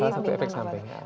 salah satu efek samping